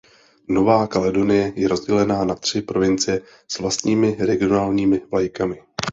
Nová Kaledonie je rozdělena na tři provincie s vlastními regionálními vlajkami.